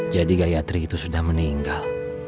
jadi gayatri itu sudah meninggal